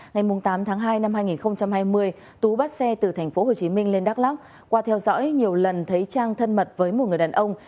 ngày tám tháng hai năm hai nghìn hai mươi tú bắt xe từ tp hcm lên đắk lắc qua theo dõi nhiều lần thấy trang thân mật với một người đàn ông